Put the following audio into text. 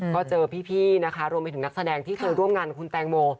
ก็เจอพี่นะคะรวมไปถึงนักแสดงที่เคยร่วมงานกับคุณแตงโม